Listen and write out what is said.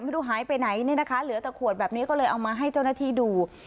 ไม่รู้หายไปไหนเนี่ยนะคะเหลือแต่ขวดแบบนี้ก็เลยเอามาให้เจ้าหน้าที่ดู